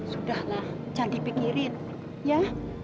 sudahlah jangan dipikirin ya